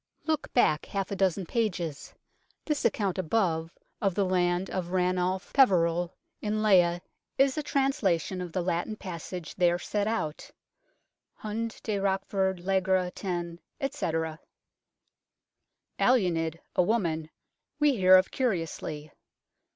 Look back half a dozen pages. This account above of the land of Ranulf Peverel in Leigh is a translation of the Latin passage there set out " Hund de Rochefort Legra ten&," etc. Alunid, a woman, we hear of curiously.